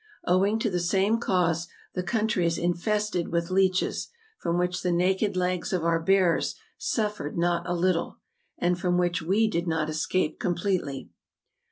Owing to the same cause, the country is infested with leeches, from which the naked legs of our bearers suffered not a little, and from which we did not escape completely.